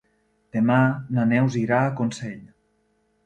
Demà na Neus irà a Consell.